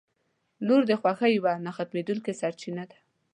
• لور د خوښۍ یوه نه ختمېدونکې سرچینه ده.